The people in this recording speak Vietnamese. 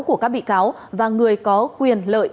của các bị cáo và người có quyền lợi